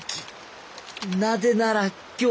なぜなら今日は。